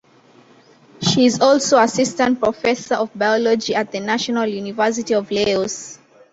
She is also Assistant Professor of Biology at the National University of Laos.